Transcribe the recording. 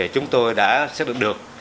chúng tôi đã xác định được